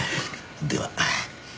では。